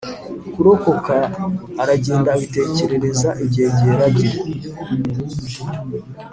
kurokoka aragenda abitekerereza ibyegera bye